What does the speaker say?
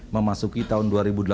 memasuki tahun dua ribu delapan belas